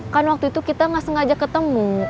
kan waktu itu kita nggak sengaja ketemu